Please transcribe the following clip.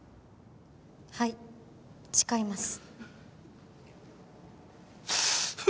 はい誓います